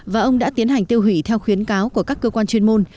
và ông đã tiến hành tiêu hủy theo khuyến cáo của các cơ quan chuyên môn